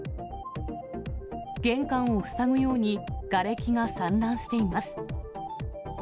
玄関を塞ぐようにがれきが散乱しています。